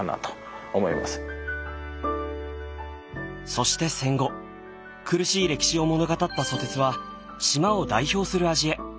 そして戦後苦しい歴史を物語ったソテツは島を代表する味へ。